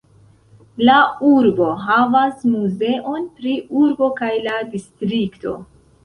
La urbo havas muzeon pri urbo kaj la distrikto.